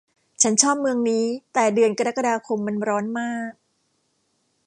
ฉันชอบเมืองนี้แต่เดือนกรกฎาคมมันร้อนมาก